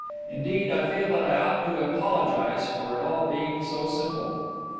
Indeed, I feel that I ought to apologize for it all being so simple."